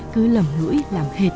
cứ lầm lũi làm hệt